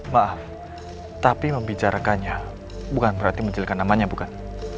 maaf tapi membicarakannya bukan berarti menjelekan namanya bukan